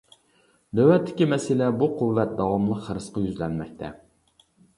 نۆۋەتتىكى مەسىلە بۇ قۇۋۋەت داۋاملىق خىرىسقا يۈزلەنمەكتە.